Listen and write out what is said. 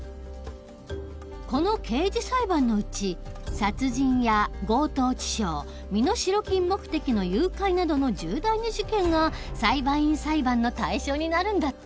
この刑事裁判のうち殺人や強盗致傷身代金目的の誘拐などの重大な事件が裁判員裁判の対象になるんだって。